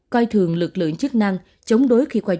coi thường lực lượng chức năng chống đối khi qua chốt